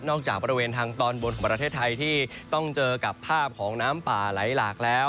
จากบริเวณทางตอนบนของประเทศไทยที่ต้องเจอกับภาพของน้ำป่าไหลหลากแล้ว